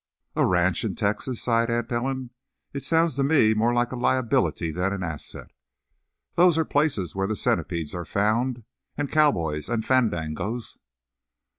"A ranch in Texas," sighed Aunt Ellen. "It sounds to me more like a liability than an asset. Those are the places where the centipedes are found, and cowboys, and fandangos."